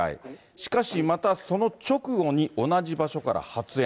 しかしまたその直後に同じ場所から発煙。